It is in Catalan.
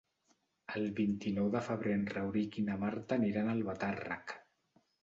El vint-i-nou de febrer en Rauric i na Marta aniran a Albatàrrec.